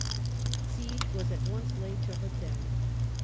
Siege was at once laid to Rethei.